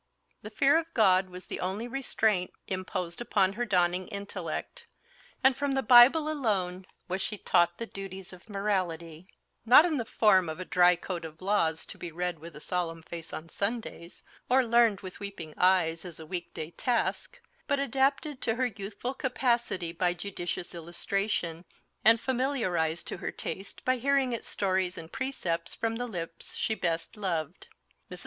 The fear of God was the only restraint imposed upon her dawning intellect; and from the Bible alone was she taught the duties of morality not in the form of a dry code of laws, to be read with a solemn face on Sundays, or learned with weeping eyes as a week day task but adapted to her youthful capacity by judicious illustration, and familiarised to her taste by hearing its stories and precepts from the lips she best loved. Mrs.